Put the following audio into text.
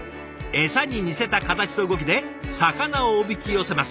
餌に似せた形と動きで魚をおびき寄せます。